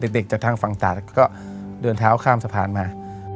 จากทางฝั่งตาดก็เดินเท้าข้ามสะพานมา